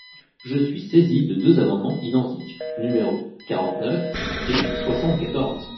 Je suis saisi de deux amendements identiques, numéros quarante-neuf et soixante-quatorze.